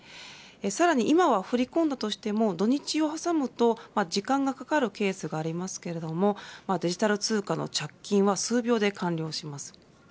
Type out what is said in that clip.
さらに今は、振り込んだとしても土日を挟むと時間がかかるケースがありますけれどもデジタル通貨の着金は数秒で完了します。